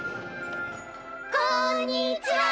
こんにちは！